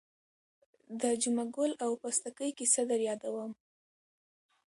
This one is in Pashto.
د جمعه ګل او پستکي کیسه در یادوم.